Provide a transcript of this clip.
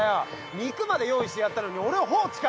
肉まで用意してやったのに俺を放置か！